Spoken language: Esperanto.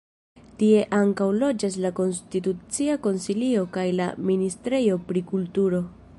Tie ankaŭ loĝas la Konstitucia Konsilio kaj la ministrejo pri kulturo.